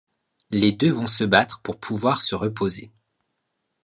Les deux vont se battre pour pouvoir se reposer.